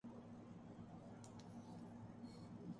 مجھے آرڈر وہاں جانے کا ملا۔